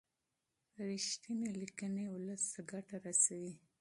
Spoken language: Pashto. رښتینې لیکنې ولس ته ګټه رسوي.